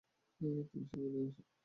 তুমি সেখানে এসো।